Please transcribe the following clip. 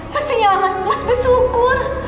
mesti ya mas mas bersyukur